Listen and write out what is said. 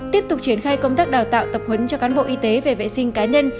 tiếp tục triển khai công tác đào tạo tập huấn cho cán bộ y tế về vệ sinh cá nhân